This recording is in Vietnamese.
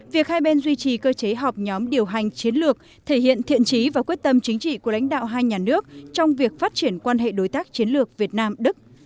việc hai bên duy trì cơ chế họp nhóm điều hành chiến lược thể hiện thiện trí và quyết tâm chính trị của lãnh đạo hai nhà nước trong việc phát triển quan hệ đối tác chiến lược việt nam đức